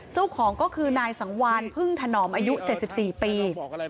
เจ้าของก็คือนายสังวานพึ่งถนอมอายุ๗๔ปี